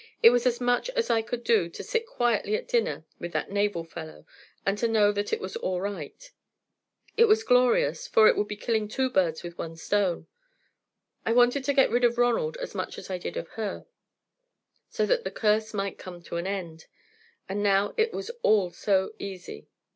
It was as much as I could do to sit quietly at dinner with that naval fellow, and to know that it was all right. It was glorious, for it would be killing two birds with one stone. I wanted to get rid of Ronald as much as I did of her, so that the curse might come to an end, and now it was all so easy.